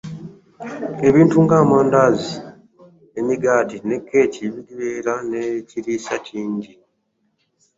Ebintu ng'amandaazi, emigaati ne kkeeki bibeera n'ekiriisa kingi.